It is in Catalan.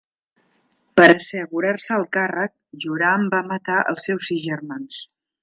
Per assegurar-se el càrrec, Joram va matar els seus sis germans.